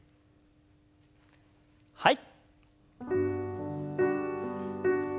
はい。